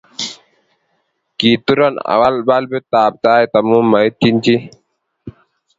Kituron awal balbitab tait amu maitchini